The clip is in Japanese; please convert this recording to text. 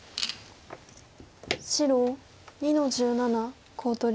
白２の十七コウ取り。